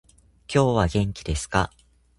今日は元気ですか？